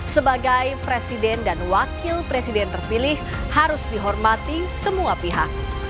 sebagai presiden dan wakil presiden terpilih harus dihormati semua pihak